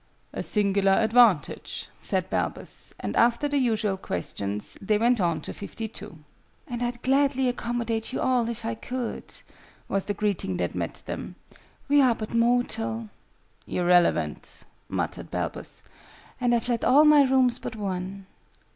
"A singular advantage," said Balbus: and, after the usual questions, they went on to Fifty two. "And I'd gladly accommodate you all, if I could," was the greeting that met them. "We are but mortal," ("Irrelevant!" muttered Balbus) "and I've let all my rooms but one."